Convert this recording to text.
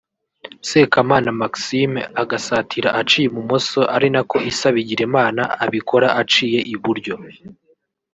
Sekamana Maxime agasatira aciye ibumoso ari nako Issa Bigirimana abikora aciye iburyo